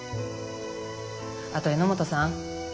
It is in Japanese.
あと榎本さん